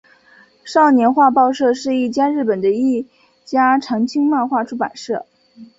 少年画报社是日本的一家长青漫画出版社。